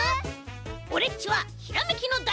オレっちはひらめきのだいてんさい！